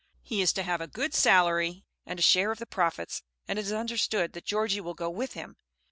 He is to have a good salary and a share of the profits, and it is understood that Georgie will go with him.